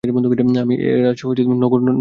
আমি এ রাস নক্ষত্রপুঞ্জ থেকে।